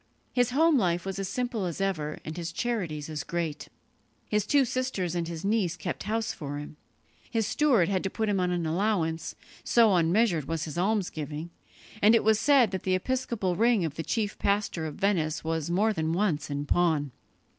His home life was as simple as ever, and his charities as great. His two sisters and his niece kept house for him. His steward had to put him on an allowance, so unmeasured was his almsgiving, and it was said that the episcopal ring of the chief pastor of Venice was more than once in pawn.